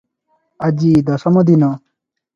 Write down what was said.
ଆଜି ଦଶମ ଦିନ ।